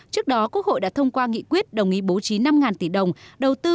trước đó quốc hội đã thông qua nghị quyết đồng ý bố trí năm tỷ đồng đầu tư